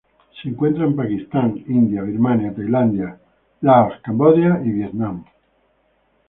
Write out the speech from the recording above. Se encuentra en Pakistán, India Birmania, Tailandia, Laos, Camboya y Vietnam.